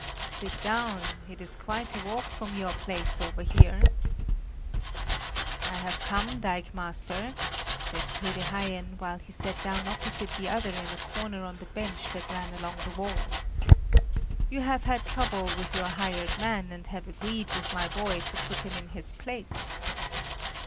"Sit down; it is quite a walk from your place over here!" "I have come, dikemaster," said Tede Haien, while he sat down opposite the other in a corner on the bench that ran along the wall. "You have had trouble with your hired man and have agreed with my boy to put him in his place!"